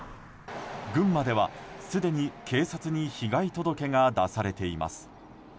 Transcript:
群馬では、すでに警察に被害届が出されています。